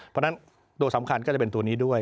เพราะฉะนั้นตัวสำคัญก็จะเป็นตัวนี้ด้วย